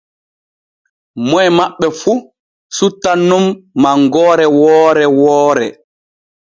Moy maɓɓe fu suttan nun mangoore woore woore.